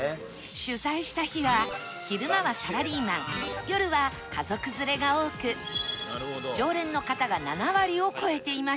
取材した日は昼間はサラリーマン夜は家族連れが多く常連の方が７割を超えていました